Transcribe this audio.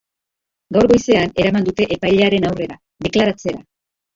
Gaur goizean eraman dute epailearen aurrera, deklaratzera.